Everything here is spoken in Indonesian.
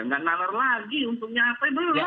nggak nalar lagi keuntungannya apa belum dong